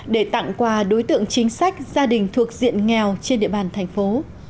để tặng quà đối tượng chính sách gia đình thuộc diện nghèo trên địa bàn thành phố